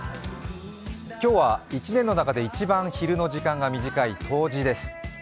今日は１年の中で一番昼の時間が少ない冬至です。